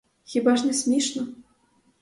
Хіба ж не смішно?